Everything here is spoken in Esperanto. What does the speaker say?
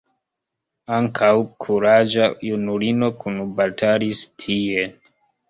Ankaŭ kuraĝa junulino kunbatalis tie.